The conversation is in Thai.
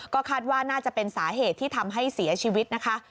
ก็คาดว่าน่าจะเป็นสาเหตุที่ทำให้เสียชีวิตนะคะ